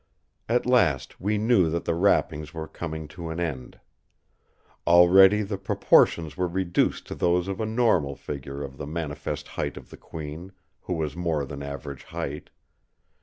At last we knew that the wrappings were coming to an end. Already the proportions were reduced to those of a normal figure of the manifest height of the Queen, who was more than average height.